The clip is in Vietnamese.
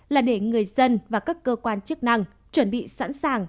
là để người dân và các cơ quan chức năng chuẩn bị sẵn sàng